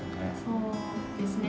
そうですね。